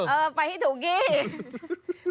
เออเออไปที่ถูกกี้